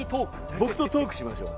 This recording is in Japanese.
僕とトークしましょう。